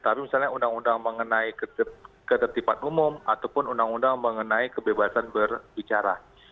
tapi misalnya undang undang mengenai ketertiban umum ataupun undang undang mengenai kebebasan berbicara